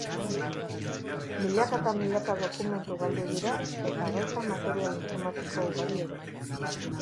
Milaka eta milaka dokumentu galdu dira eta baita material informatiko ugari ere.